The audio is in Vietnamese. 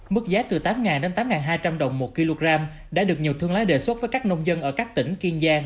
mức giá từ tám đến tám hai trăm linh đồng một kg đã được nhiều thương lái đề xuất với các nông dân ở các tỉnh kiên giang